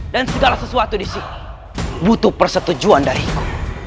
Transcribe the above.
dan segala sesuatu disini butuh persetujuan dariku